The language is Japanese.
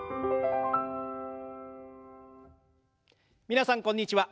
皆さんこんにちは。